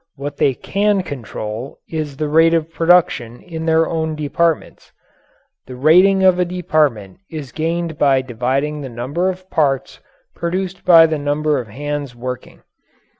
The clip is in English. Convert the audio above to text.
What they can control is the rate of production in their own departments. The rating of a department is gained by dividing the number of parts produced by the number of hands working.